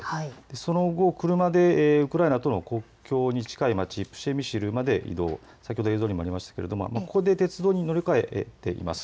その後、車でウクライナとの国境に近い街プシェミシルまで移動、先ほど映像にもありましたがここで鉄道に乗り換えています。